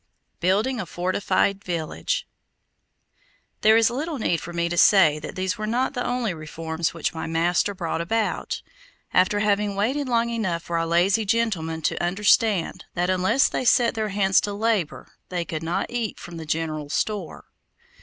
BUILDING A FORTIFIED VILLAGE There is little need for me to say that these were not the only reforms which my master brought about, after having waited long enough for our lazy gentlemen to understand that unless they set their hands to labor they could not eat from the general store.